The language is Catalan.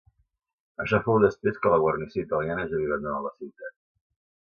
Això fou després que la guarnició italiana ja havia abandonat la ciutat.